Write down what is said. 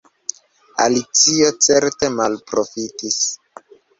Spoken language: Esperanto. Alicio certe malprofitis.